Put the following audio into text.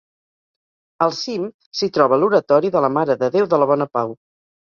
Al cim, s'hi troba l'oratori de la Mare de Déu de la Bona Pau.